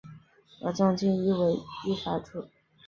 而总督亦为立法局及行政局主席。